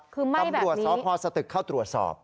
คือไหม้แบบนี้ตำรวจสศตริกเข้าตรวจสอบ